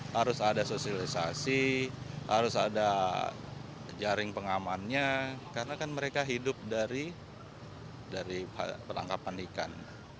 harus ada sosialisasi harus ada jaring pengamannya karena kan mereka hidup dari penangkapan ikan